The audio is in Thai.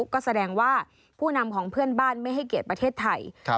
ก็แสดงว่าผู้นำของเพื่อนบ้านไม่ให้เกียรติประเทศไทย